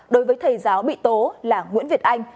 đối với thầy giáo bị tố là nguyễn việt anh